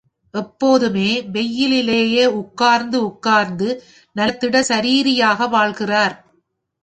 எப்போதுமே வெயிலிலேயே உட்கார்ந்து உட்கார்ந்து நல்ல திட சரீரியாக வாழ்கிறார்.